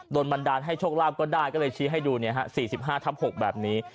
บันดาลให้โชคลาภก็ได้ก็เลยชี้ให้ดู๔๕ทับ๖แบบนี้